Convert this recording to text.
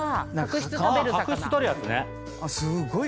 角質取るやつね。